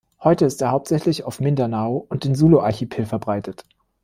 Heute ist er hauptsächlich auf Mindanao und dem Sulu-Archipel verbreitet.